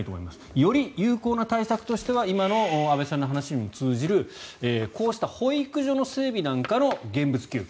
より有効な対策としては今の安部さんの話にも通じるこうした保育所の整備なんかの現物給付